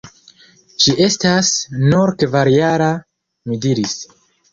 Ŝi estas nur kvarjara – mi diris.